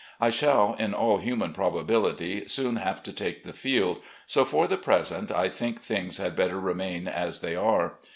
I shall, in all human probability, soon have to take the field, so for the present I think things had better remain as they are.